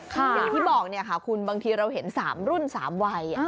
อย่างที่บอกคุณบางทีเราเห็น๓รุ่น๓วัย